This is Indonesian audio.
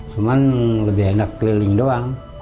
cuman lebih enak keliling doang